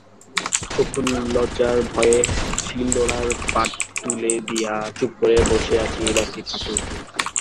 চক্ষুলজার ভয়েই শিল-নোড়ার পাঠ তুলে দিয়ে চুপ করে বসে আছি নাকি ঠাকুরপো?